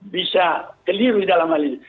bisa keliru dalam hal ini